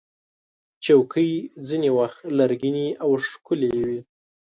چوکۍ ځینې وخت لرګینې او ښکلې وي.